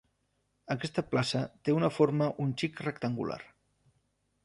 Aquesta plaça té una forma un xic rectangular.